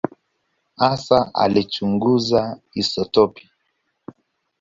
Hasa alichunguza isotopi.